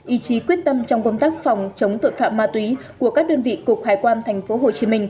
ý chí quyết tâm trong công tác phòng chống tội phạm ma túy của các đơn vị cục hải quan tp hcm